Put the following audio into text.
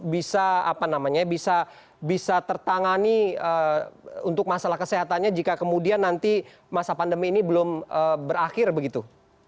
bisa apa namanya bisa tertangani untuk masalah kesehatannya jika kemudian nanti masa pandemi ini belum berakhir begitu